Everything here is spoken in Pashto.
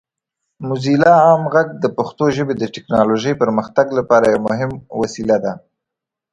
موزیلا عام غږ د پښتو ژبې د ټیکنالوجۍ پرمختګ لپاره یو مهم وسیله ده.